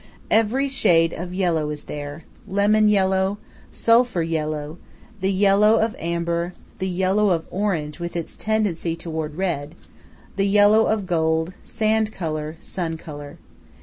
Every shade of yellow is there lemon yellow, sulphur yellow, the yellow of amber, the yellow of orange with its tendency toward red, the yellow of gold, sand color, sun color.